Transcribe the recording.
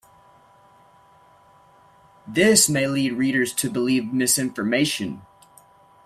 This may lead readers to believe misinformation.